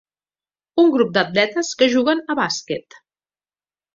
Un grup d'atletes que juguen a bàsquet